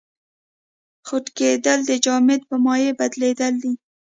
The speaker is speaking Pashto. خټکېدل د جامد په مایع بدلیدل دي.